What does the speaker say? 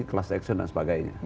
kelas seksi dan sebagainya